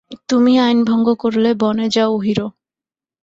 তুমি আইনভঙ্গ করলে বনে যাও হিরো।